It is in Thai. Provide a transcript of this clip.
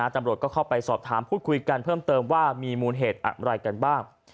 ตำรวจก็เข้าไปสอบถามพูดคุยกันเพิ่มเติมว่ามีมูลเหตุอะไรกันบ้าง